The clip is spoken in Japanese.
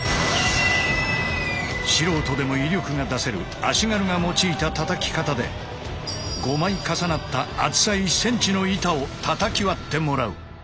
素人でも威力が出せる足軽が用いたたたき方で５枚重なった厚さ１ｃｍの板をたたき割ってもらう。